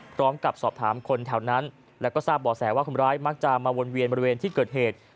พร้อมกับสอบถามคนแถวนั้นแล้วก็ทราบบ่อแสว่าคนร้ายมักจะมาวนเวียนบริเวณที่เกิดเหตุ